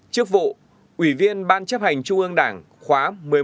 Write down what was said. chức vụ ủy viên ban chấp hành trung ương đảng khóa một mươi một một mươi hai một mươi ba